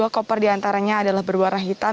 dua koper diantaranya adalah berwarna hitam